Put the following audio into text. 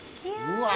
うわ！